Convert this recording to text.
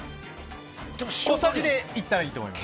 小さじでいったんいいと思います。